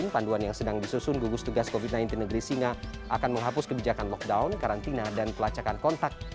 panduan yang sedang disusun gugus tugas covid sembilan belas negeri singa akan menghapus kebijakan lockdown karantina dan pelacakan kontak